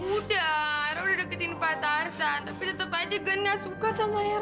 udah era udah deketin pak tarzan tapi tetep aja glenn nggak suka sama era